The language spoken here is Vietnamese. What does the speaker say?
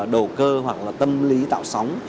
đồ cơ hoặc là tâm lý tạo sóng